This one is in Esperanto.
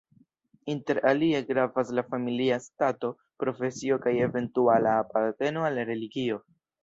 Inter alie gravas la familia stato, profesio kaj eventuala aparteno al religio.